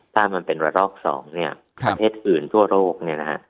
ถ้ามันเป็นระลอกสองเนี่ยประเทศอื่นทั่วโลกเนี่ยนะฮะ